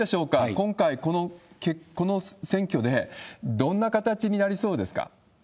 今回、この選挙でどんな形になりそうですか？